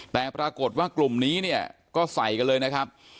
แต่ปรากฏว่ากลุ่มนี้เนี่ยก็ใส่กันเลยนะครับ